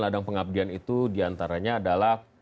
ladang pengabdian itu diantaranya adalah